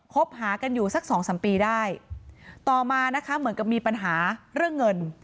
คบหากันอยู่สักสองสามปีได้ต่อมานะคะเหมือนกับมีปัญหาเรื่องเงิน